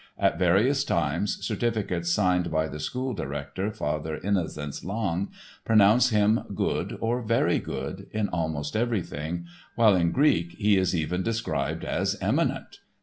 At various times certificates signed by the school director, Father Innocenz Lang, pronounce him "good" or "very good" in almost everything, while in Greek he is even described as "eminent."